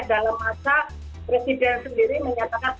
dalam masa presiden sendiri menyatakan